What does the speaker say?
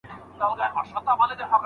عضلې د فعالیت په پیل کې ورو حرکت کوي.